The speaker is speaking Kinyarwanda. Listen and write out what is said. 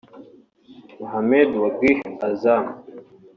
Mohamed Wagih Azzam